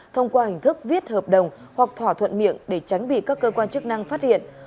thông qua hình thức viết hợp đồng hoặc thỏa thuận miệng để tránh bị các cơ quan chức năng phát hiện